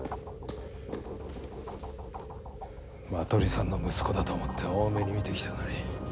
麻取さんの息子だと思って大目に見てきたのに。